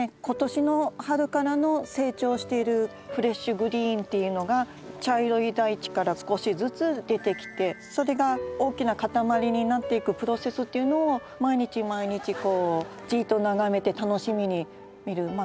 今年の春からの成長しているフレッシュグリーンっていうのが茶色い大地から少しずつ出てきてそれが大きな塊になっていくプロセスっていうのを毎日毎日こうじっと眺めて楽しみに見る。